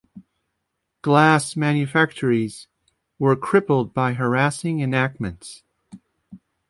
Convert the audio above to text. Glass manufactories were crippled by harassing enactments.